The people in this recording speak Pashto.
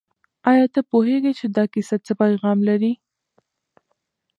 آیا ته پوهېږې چې دا کیسه څه پیغام لري؟